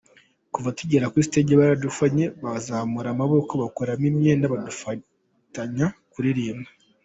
Kuva tukigera kuri stage baradufanye, bazamura amaboko, bakuramo imyenda, dufatanya kuririmba.